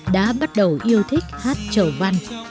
đã bắt đầu yêu thích hát trầu văn